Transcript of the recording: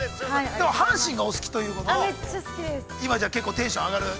でも、阪神がお好きということで、今、じゃあテンションが上がる。